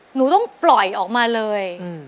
หนูต้องปล่อยออกมาเลย